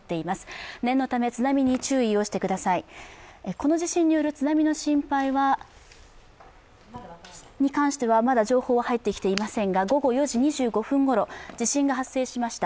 この地震による津波の心配に関しては、まだ情報は入ってきていませんが、午後４時２５分ごろ地震が発生しました。